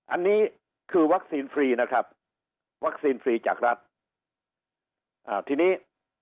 อันนี้คือวัคซีนฟรีนะครับวัคซีนฟรีจากรัฐอ่าทีนี้